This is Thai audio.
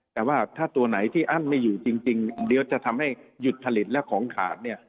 แต่ว่าถ้าตัวไหนที่อั้นไม่อยู่จริงเดี๋ยวจะทำให้หยุดผลิตและของขาดเนี่ย